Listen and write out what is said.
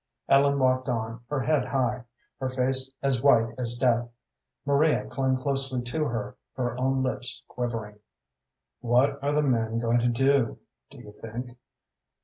Ellen walked on, her head high, her face as white as death. Maria clung closely to her, her own lips quivering. "What are the men going to do, do you think?"